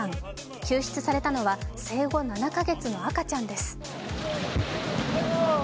救出されたのは生後７か月の赤ちゃんです。